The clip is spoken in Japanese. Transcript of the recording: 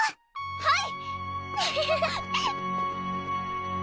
はい！